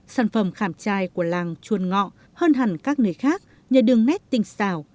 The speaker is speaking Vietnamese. sản phẩm khảm chai của làng chuôn ngọ hơn hẳn các nơi khác nhờ đường nét tinh xào